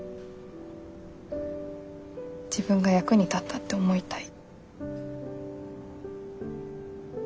自分が役に立ったって思いたい。